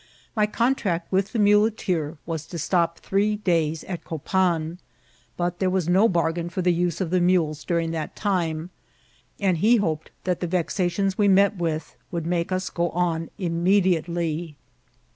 My contract with the muleteer was to stop three days at Copan ; but there was no bargain for the use of the mules during that time, and he hoped that the vexations we met with would make us go on immediately.